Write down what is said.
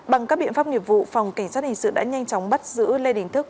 bằng các biện pháp nghiệp vụ phòng cảnh sát hình sự đã nhanh chóng bắt giữ lê đình thức